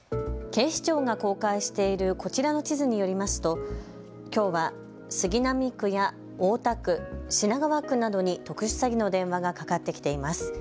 警視庁が公開しているこちらの地図によりますときょうは杉並区や大田区、品川区などに特殊詐欺の電話がかかってきています。